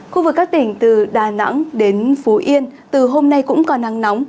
khu vực các tỉnh từ đà nẵng đến phú yên từ hôm nay cũng còn nắng nóng